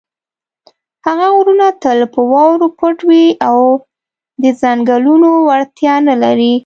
هغه غرونه تل په واورو پټ وي او د څنګلونو وړتیا نه لري.